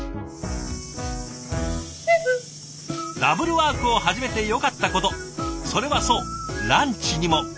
ダブルワークを始めてよかったことそれはそうランチにも。